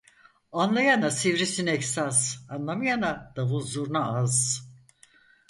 Anlayana sivrisinek saz, anlamayana davul zurna az.